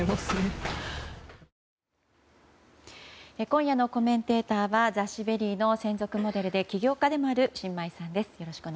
今夜のコメンテーターは雑誌「ＶＥＲＹ」の専属モデルで起業家でもある申真衣さんです。